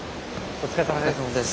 お疲れさまです。